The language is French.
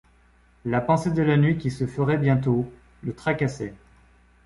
La pensée de la nuit qui se ferait bientôt, le tracassait.